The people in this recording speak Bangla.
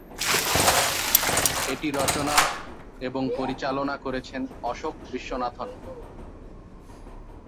এটি রচনা এবং পরিচালনা করেছেন অশোক বিশ্বনাথন।